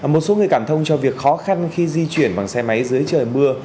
một số người cảm thông cho việc khó khăn khi di chuyển bằng xe máy dưới trời mưa